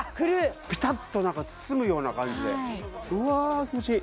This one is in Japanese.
ピタッと包むような感じでうわ気持ちいい！